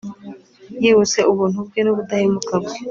yibutse ubuntu bwe n'ubudahemuka bwe